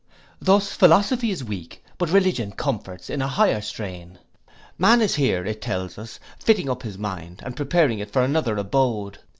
Thus philosophy is weak; but religion comforts in an higher strain. Man is here, it tells us, fitting up his mind, and preparing it for another abode.